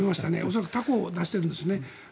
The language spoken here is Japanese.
恐らくタコを出しているんですね。